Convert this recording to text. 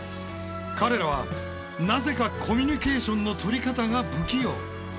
彼らはなぜかコミュニケーションのとり方が不器用。